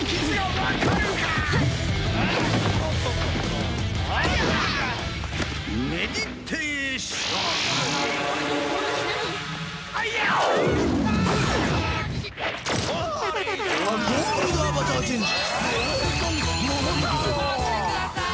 待ってくださーい！